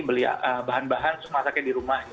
beli bahan bahan terus masaknya di rumah